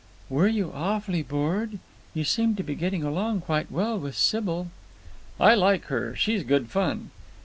"Were you awfully bored? You seemed to be getting along quite well with Sybil." "I like her. She's good fun."